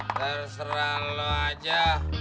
terserah lo aja